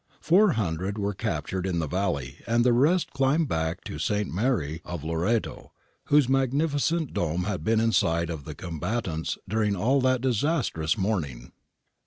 Four hundred were captured in the valley and the rest climbed back to S. Mary of Loreto, whose magnificent dome had been in sight of the com batants during all that disastrous morning.